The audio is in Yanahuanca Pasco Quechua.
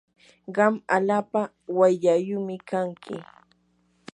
qam allaapa wayllaayumi kanki.